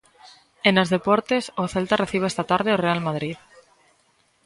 E nos deportes, o Celta recibe esta tarde o Real Madrid.